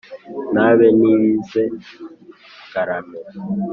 Ntabe nibize ngarame.